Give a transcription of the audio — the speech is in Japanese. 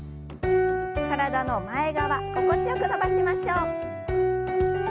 体の前側心地よく伸ばしましょう。